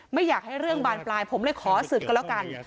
ไม่อยากให้เรื่องบานปลายผมเลยขอศึกก็แล้วกัน